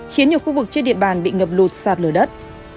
khiến nhiều khu vực trên địa bàn bị ngập lụt sạt lở đất